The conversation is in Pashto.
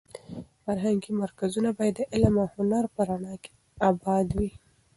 فرهنګي مرکزونه باید د علم او هنر په رڼا اباد وي.